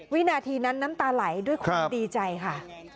วินาทีนั้นน้ำตาไหลด้วยความดีใจค่ะ